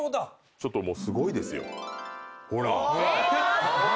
ちょっともうすごいですよ。ほらっ。